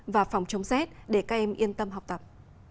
và phòng chống rét để các em yên tâm học tập